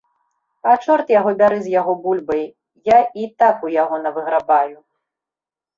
А, чорт яго бяры з яго бульбай, я і так у яго навыграбаю.